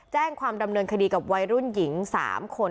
แจ้งความดำเนินคดีกับวัยรุ่นหญิง๓คน